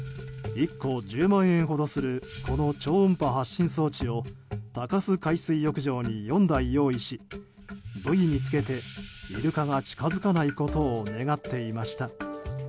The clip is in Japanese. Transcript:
１個１０万円程するこの超音波発信装置を鷹巣海水浴場に４台用意しブイにつけてイルカが近づかないことを願っていました。